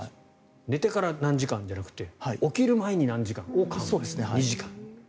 寝てから何時間じゃなくて起きるまで何時間が２時間。